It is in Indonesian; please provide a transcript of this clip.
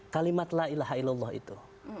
kalimat la ilaha ilallah itu